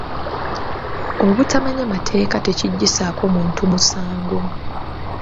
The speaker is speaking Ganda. Obutamanya mateeka tekiggyisaako muntu musango.